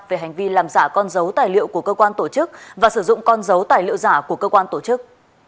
về hành vi làm giả con dấu tài liệu của cơ quan tổ chức và sử dụng con dấu tài liệu giả của cơ quan tổ chức